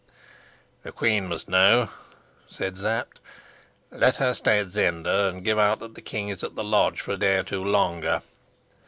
"The queen must know," said Sapt. "Let her stay at Zenda and give out that the king is at the lodge for a day or two longer.